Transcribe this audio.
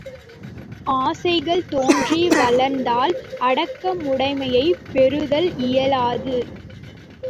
ஆசைகள் தோன்றி வளர்ந்தால் அடக்கமுடைமையைப் பெறுதல் இயலாது.